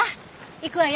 行くわよ。